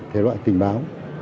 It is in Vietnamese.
thể loại tình báo